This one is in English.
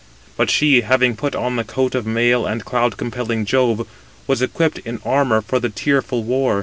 But she, having put on the coat of mail of cloud compelling Jove, was equipped in armour for the tearful war.